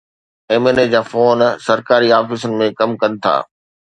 M N A جا phone سرڪاري آفيسن ۾ ڪم ڪن ٿا.